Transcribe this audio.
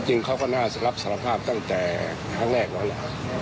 จริงเขาก็น่าจะรับสารภาพตั้งแต่ครั้งแรกแล้วแหละ